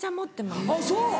あっそう！